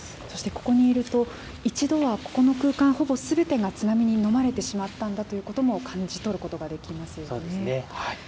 そして、ここにいると、一度はここの空間、ほぼすべてが津波に飲まれてしまったんだということも感じ取ることができますよね。